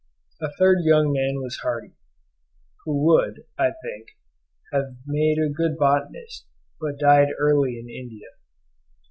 A third young man was Hardie, who would, I think, have made a good botanist, but died early in India.